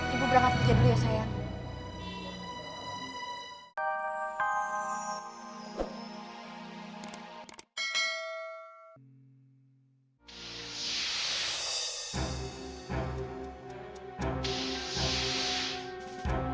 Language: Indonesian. ibu berangkat kerja dulu ya saya